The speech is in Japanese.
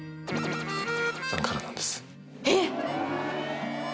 えっ⁉